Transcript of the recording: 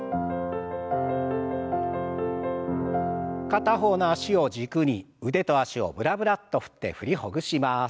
片方の脚を軸に腕と脚をブラブラッと振って振りほぐします。